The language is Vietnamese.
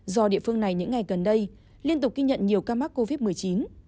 do địa phương này những ngày gần đây liên tục ghi nhận nhiều ca mắc covid một mươi chín